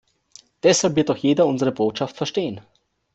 Deshalb wird auch jeder unsere Botschaft verstehen.